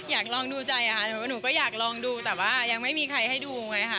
อยากลองดูใจค่ะหนูก็อยากลองดูแต่ว่ายังไม่มีใครให้ดูไงค่ะ